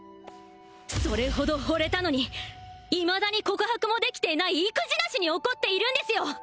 それほどほれたのにいまだに告白もできていない意気地なしに怒っているんですよ